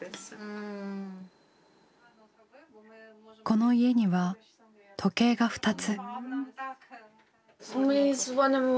この家には時計が２つ。